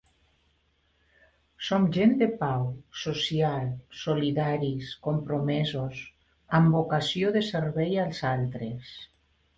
Som gent de pau, social, solidaris, compromesos, amb vocació de servei als altres.